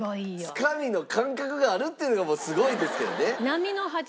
つかみの感覚があるっていうのがもうすごいですけどね。